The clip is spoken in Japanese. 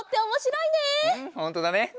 うんほんとだね。